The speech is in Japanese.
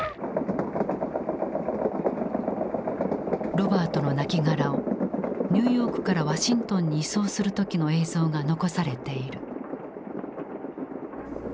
ロバートのなきがらをニューヨークからワシントンに移送する時の映像が残されている。